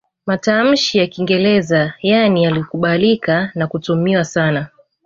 Matamshi ya Kiingereza yaani yalikubalika na kutumiwa sana